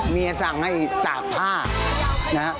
สั่งให้ตากผ้านะฮะ